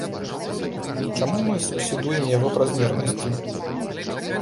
Чаму мы субсідуем яго празмернасці?